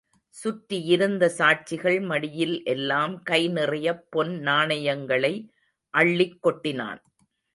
சுற்றியிருந்த சாட்சிகள் மடியில் எல்லாம் கை நிறையப் பொன் நாணயங்களை அள்ளிக் கொட்டினான்.